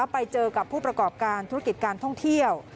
ไปเจอกับผู้ประกอบการธุรกิจการท่องเที่ยว